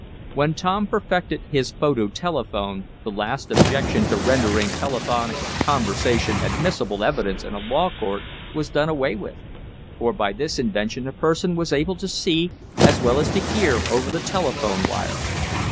When Tom perfected his photo telephone the last objection to rendering telephonic conversation admissible evidence in a law court was done away with, for by this invention a person was able to see, as well as to hear, over the telephone wire.